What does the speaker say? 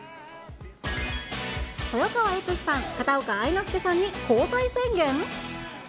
豊川悦司さん、片岡愛之助さんに交際宣言？